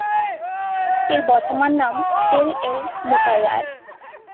এর বর্তমান নাম "তেল এল-মুকায়ার"।